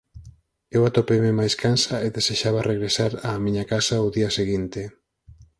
eu atopeime máis cansa e desexaba regresar á miña casa o día seguinte.